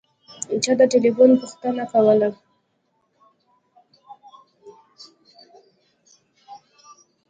چا د تیلیفون پوښتنه کوله.